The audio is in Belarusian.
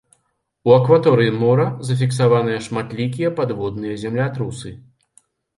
У акваторыі мора зафіксаваныя шматлікія падводныя землятрусы.